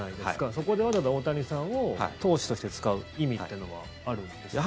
そこでわざわざ大谷さんを投手として使う意味っていうのはあるんですかね？